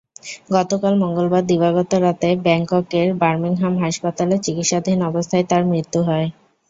গতকাল মঙ্গলবার দিবাগত রাতে ব্যাংককের বার্মিংহাম হাসপাতালে চিকিৎসাধীন অবস্থায় তাঁর মৃত্যু হয়।